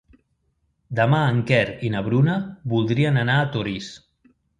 Demà en Quer i na Bruna voldrien anar a Torís.